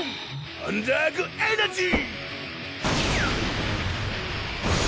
アンダーグ・エナジー！